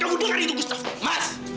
kamu dengar itu gustaf mas